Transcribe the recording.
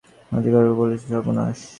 মতি ব্যাকুলভাবে বলিল, কিসের সর্বনাশ?